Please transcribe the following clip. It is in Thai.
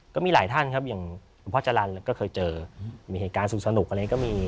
ก็มีหลายท่านครับอย่างหลวงพ่อจรรย์ก็เคยเจอมีเหตุการณ์สนุกอะไรก็มี